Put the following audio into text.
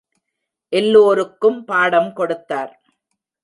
எல்லோருக்கும் பாடம் கொடுத்தார்.